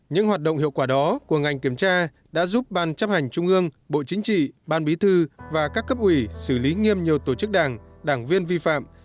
những hoạt động hiệu quả đó của ngành kiểm tra đã giúp ban chấp hành trung ương bộ chính trị ban bí thư và các cấp ủy xử lý nghiêm nhiều tổ chức đảng đảng viên vi phạm